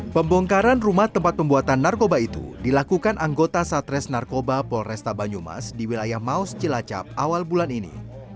pembongkaran rumah tempat pembuatan narkoba itu dilakukan anggota satres narkoba polresta banyumas di wilayah maus cilacap awal bulan ini